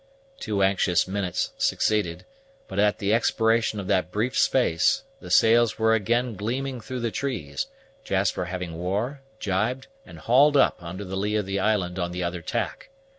Two anxious minutes succeeded; but, at the expiration of that brief space, the sails were again gleaming through the trees, Jasper having wore, jibed, and hauled up under the lee of the island on the other tack.